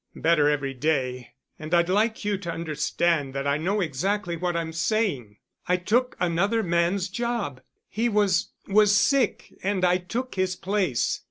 Better every day, and I'd like you to understand that I know exactly what I'm saying. I took another man's job. He was—was sick and I took his place.